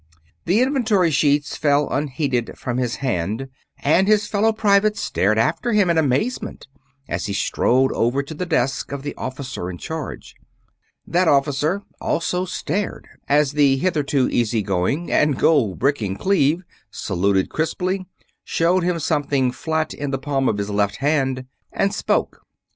The inventory sheets fell unheeded from his hand, and his fellow private stared after him in amazement as he strode over to the desk of the officer in charge. That officer also stared as the hitherto easy going and gold bricking Cleve saluted crisply, showed him something flat in the palm of his left hand, and spoke.